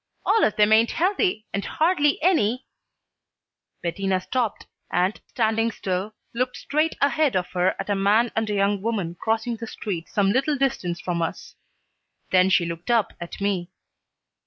All of them ain't healthy, and hardly any " Bettina stopped and, standing still, looked straight ahead of her at a man and a young woman crossing the street some little distance from us. Then she looked up at me.